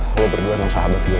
lu berdua sama sahabat gue